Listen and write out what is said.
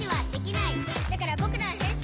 「だからぼくらはへんしんだ！」